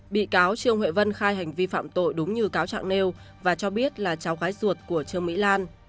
bị cáo trương huệ vân khai hành vi phạm tội đúng như cáo trạng nêu và cho biết là cháu gái ruột của trương mỹ lan